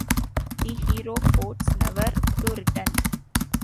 The hero fords, never to return!